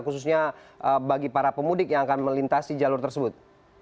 khususnya bagi para pemudik yang akan melintasi jalur tersebut